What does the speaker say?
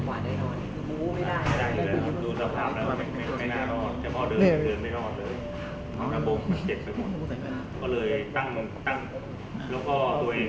เพราะพอมีปัญหาตรงนี้ปรับเนี่ยเราใช้ทุกเดือน